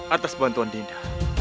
atas bantuan dinda